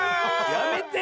やめて。